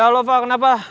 ya allah fah kenapa